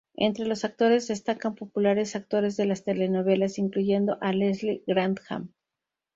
Entre los actores destacan populares actores de las telenovelas, incluyendo a Leslie Grantham.